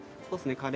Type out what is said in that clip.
そうですね。